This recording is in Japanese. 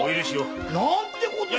何てことを！